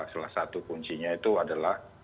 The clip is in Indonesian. salah satu kuncinya itu adalah